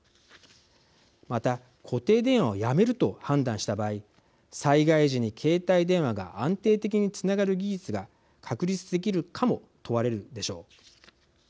また、固定電話をやめると判断した場合災害時に携帯電話が安定的につながる技術が確立できるかも問われるでしょう。